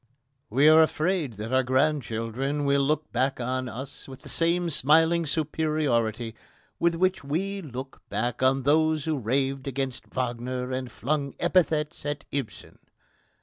We are afraid that our grandchildren will look back on us with the smiling superiority with which we look back on those who raved against Wagner and flung epithets at Ibsen.